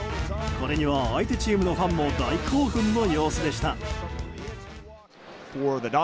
これには相手チームのファンも大興奮の様子でした。